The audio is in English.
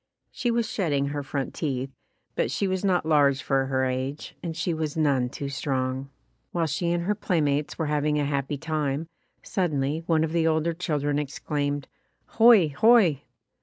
She was shedding her front teeth, but she was not [ 167 ] 168 ] UNSUNG HEROES large for her age and she was none too strong. While she and her playmates were having a happy time, suddenly one of the older children ex claimed, "Hoi! hoi!"